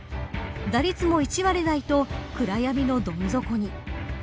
打率も１割台と暗闇のどん底に。